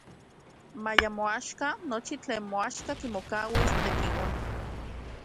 Maya axkan nochi tlen moaxka kimokauis Tekiua.